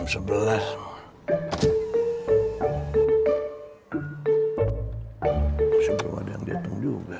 masih belum ada yang datang juga